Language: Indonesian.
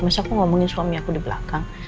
misalnya aku ngomongin suami aku di belakang